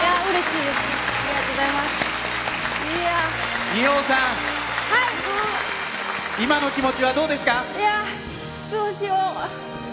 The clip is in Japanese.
いやどうしよう。